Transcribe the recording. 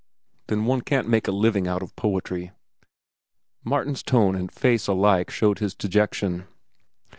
"Then one can't make a living out of poetry?" Martin's tone and face alike showed his dejection.